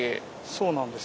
そうなんですよね。